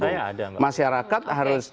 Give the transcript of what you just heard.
kalau saya ada